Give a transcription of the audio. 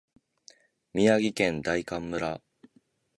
宮城県大衡村